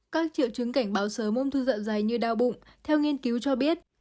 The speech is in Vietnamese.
các triệu chứng cảnh báo sớm ung thư dạ dày như đau bụng theo nghiên cứu cho biết